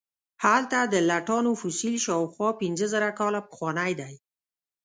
هلته د لټانو فسیل شاوخوا پنځه زره کاله پخوانی دی.